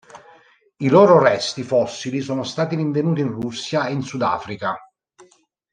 I loro resti fossili sono stati rinvenuti in Russia e in Sudafrica.